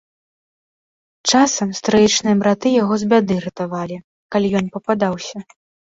Часам стрыечныя браты яго з бяды ратавалі, калі ён пападаўся.